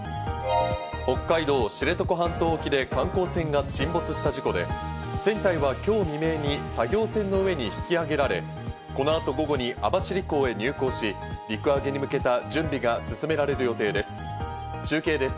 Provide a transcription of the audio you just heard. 北海道知床半島沖で観光船が沈没した事故で、船体は今日未明に作業船の上に引き揚げられ、この後、午後に網走港へ入港し、陸揚げに向けた準備が進められる予定です。